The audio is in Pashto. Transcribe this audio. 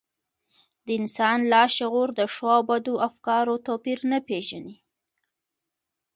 د انسان لاشعور د ښو او بدو افکارو توپير نه پېژني.